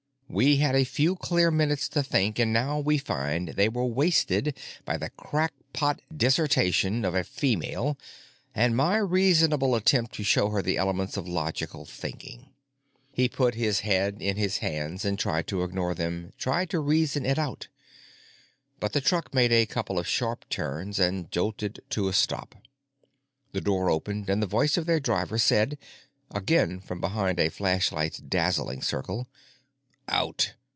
"We had a few clear minutes to think and now we find they were wasted by the crackpot dissertation of a female and my reasonable attempt to show her the elements of logical thinking." He put his head in his hands and tried to ignore them, tried to reason it out. But the truck made a couple of sharp turns and jolted to a stop. The door opened and the voice of their driver said, again from behind a flashlight's dazzling circle: "Out.